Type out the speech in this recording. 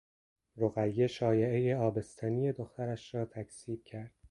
رقیه شایعهی آبستنی دخترش را تکذیب کرد.